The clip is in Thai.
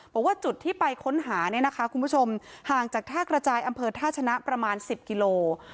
บอกว่าจุดที่ไปค้นหาเนี่ยนะคะคุณผู้ชมห่างจากท่ากระจายอำเภอท่าชนะประมาณ๑๐กิโล